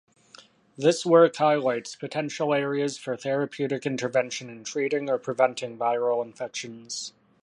This work highlights potential areas for therapeutic intervention in treating or preventing viral infections.